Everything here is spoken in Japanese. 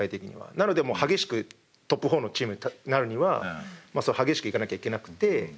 なのでもう激しくトップ４のチームになるには激しく行かなきゃいけなくて。